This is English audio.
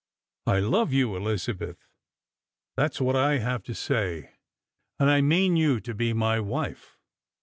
I love you, Elizabeth — that's what I have to say — and I mean you to be my wife."